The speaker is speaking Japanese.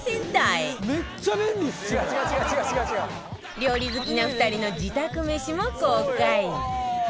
料理好きな２人の自宅メシも公開